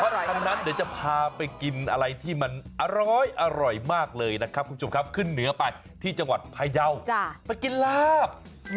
คำนั้นเดี๋ยวจะพาไปกินอะไรที่มันอร้อยอร่อยมากเลยนะครับ